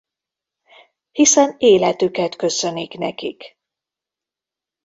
Hiszen életüket köszönik nekik.